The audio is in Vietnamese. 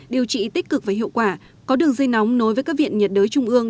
điều trị tích cực và hiệu quả có đường dây nóng nối với các viện nhiệt đới trung ương